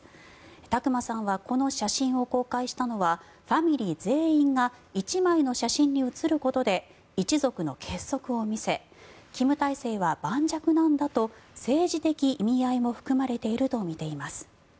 琢磨さんはこの写真を公開したのはファミリー全員が１枚の写真に写ることで一族の結束を見せ金体制は盤石なんだと政治的意味合いも含まれているとみています。